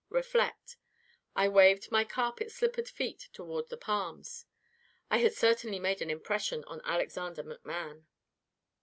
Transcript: Reflect.' I waved my carpet slippered feet toward the palms. I had certainly made an impression on Alexander McMann.